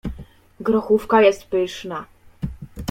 grochówka jest pyszna